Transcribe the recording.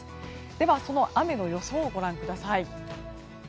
では、その雨の予想をご覧ください。